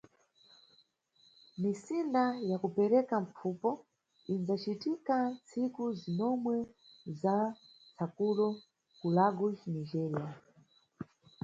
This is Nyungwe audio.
Misinda ya kupereka mpfupo inʼdzacitika ntsiku zinomwe za Tsakulo, ku Lagos, Nigéria.